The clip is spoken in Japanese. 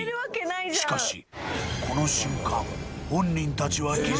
しかしこの瞬間